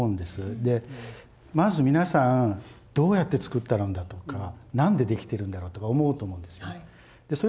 でまず皆さんどうやって作ってあるんだとか何でできてるんだろうとか思うと思うんですよね。